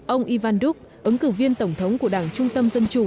ông ivan duc ứng cử viên tổng thống của đảng trung tâm dân chủ